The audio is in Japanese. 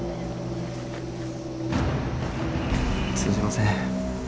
通じません。